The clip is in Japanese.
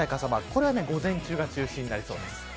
これは午前中が中心になりそうです。